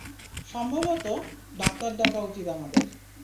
সম্ভবত, ডাক্তার ডাকা উচিৎ আমাদের।